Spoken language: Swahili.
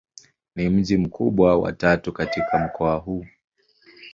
Ni mji mkubwa wa tatu katika mkoa huu.